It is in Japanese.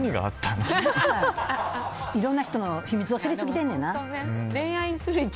いろんな人の秘密を知りすぎてんねんな。